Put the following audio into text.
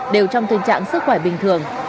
đều trong tình trạng sức khỏe bình thường